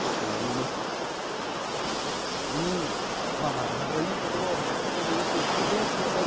なかなかいい言葉を発していたと思いますけど整理してください。